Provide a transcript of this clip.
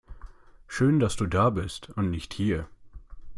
Schön dass du da bist und nicht hier!